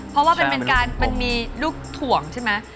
เพราะว่ามันเป็นการมันมีลูกถ่วงใช่ไหม